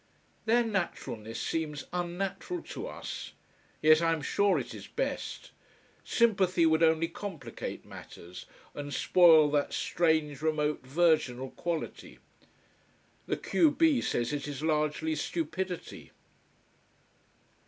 Their naturalness seems unnatural to us. Yet I am sure it is best. Sympathy would only complicate matters, and spoil that strange, remote virginal quality. The q b says it is largely stupidity.